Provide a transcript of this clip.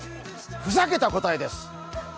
ふざけた答えです！